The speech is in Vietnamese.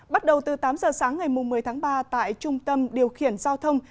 bắt đầu từ tám giờ sáng ngày một mươi tháng ba tại trung tâm điều khiển giao thông